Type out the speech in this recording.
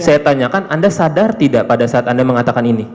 saya tanyakan anda sadar tidak pada saat anda mengatakan ini